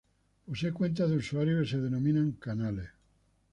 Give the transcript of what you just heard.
Posee cuentas de usuario que se denominan "canales".